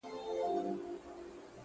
د سوځېدلو لرگو زور خو له هندو سره وي!